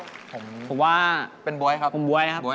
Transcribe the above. ผมคิดว่าเป็นบ๊วยครับ